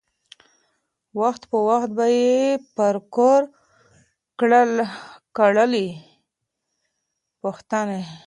وخت په وخت به یې پر کور کړلی پوښتني